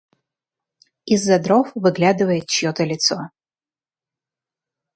Из-за дров выглядывает чьё-то лицо.